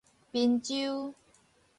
賓州